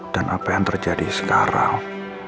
dan apa yang terjadi sekarang